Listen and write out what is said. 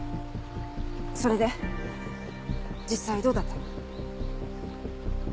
それで実際どうだったの？